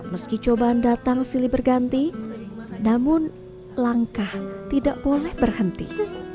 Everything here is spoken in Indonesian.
meski cobaan datang silih berganti namun langkah tidak boleh berhenti